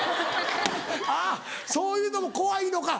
あっそういうのも怖いのか。